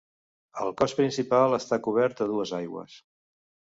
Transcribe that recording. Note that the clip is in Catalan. El cos principal està cobert a dues aigües.